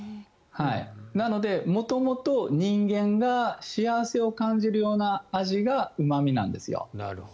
なので、元々人間が幸せを感じるような味がうま味なんですよ。